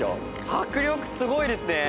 迫力すごいですね。